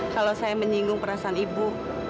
kalau saya menyinggung perasaan ibu